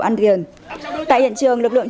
ăn thiền tại hiện trường lực lượng